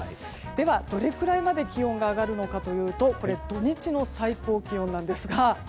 では、どれくらいまで気温が上がるのかというと土日の最高気温なんですが。